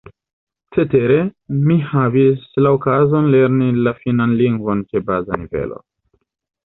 Cetere, mi havis la okazon lerni la finnan lingvon ĉe baza nivelo.